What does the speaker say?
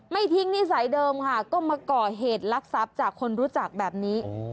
ไม่ทิ้งนิสัยเดิมค่ะก็มาก่อเหตุลักษัพจากคนรู้จักแบบนี้